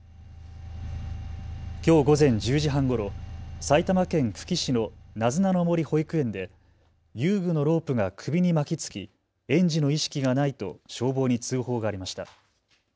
きょう午前１０時半ごろ埼玉県久喜市のなずなの森保育園で遊具のロープが首に巻きつき園児の意識がないと消防に通報がありました。